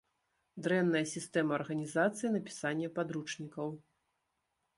Дрэнная сістэма арганізацыі напісання падручнікаў.